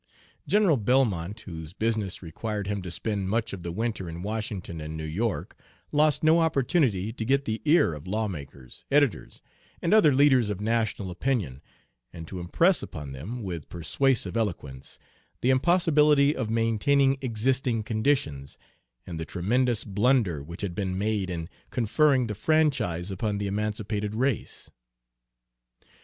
General Belmont, whose business required him to spend much of the winter in Washington and New York, lost no opportunity to get the ear of lawmakers, editors, and other leaders of national opinion, and to impress upon them, with persuasive eloquence, the impossibility of maintaining existing conditions, and the tremendous blunder which had been made in conferring the franchise upon the emancipated race.